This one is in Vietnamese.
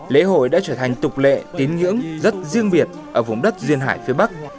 lễ hội đã trở thành tục lệ tín ngưỡng rất riêng biệt ở vùng đất duyên hải phía bắc